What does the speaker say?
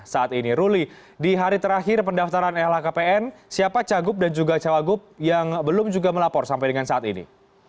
saat ini ruli di hari terakhir pendaftaran lhkpn siapa cagup dan juga cawagup yang belum juga melapor sampai dengan saat ini